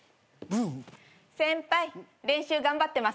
先輩練習頑張ってますね。